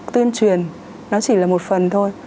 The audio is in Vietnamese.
tuyên truyền nó chỉ là một phần thôi